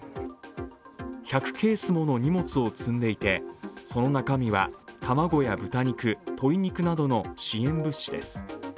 １００ケースもの荷物を積んでいてその中身は卵や豚肉、鶏肉などの支援物資です。